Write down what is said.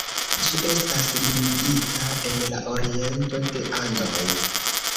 Ĝi estas limigita en la oriento de Andoj.